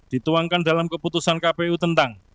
dituangkan dalam keputusan kpu tentang